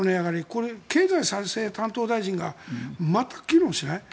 これ、経済再生担当大臣が全く機能しない。